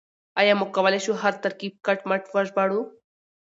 آيا موږ کولای شو هر ترکيب کټ مټ وژباړو؟